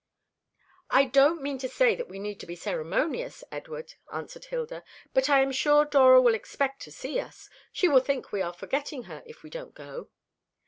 "I don't mean to say that we need be ceremonious, Edward," answered Hilda, "but I am sure Dora will expect to see us. She will think we are forgetting her if we don't go."